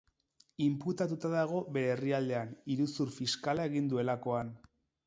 Inputatuta dago bere herrialdean, iruzur fiskala egin duelakoan.